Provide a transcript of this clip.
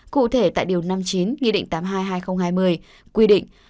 cụ thể tại điều năm mươi chín nghị định tám mươi hai hai nghìn hai mươi quy định